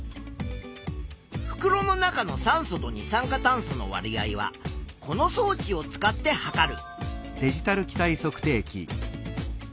ふくろの中の酸素と二酸化炭素のわり合はこのそう置を使ってはかる。